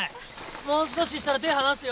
もう少ししたら手ぇ離すよ。